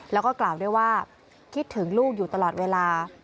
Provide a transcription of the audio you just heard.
แล้วก็กล่าวด้วยว่าคิดถึงลูกอยู่ตลอดเวลา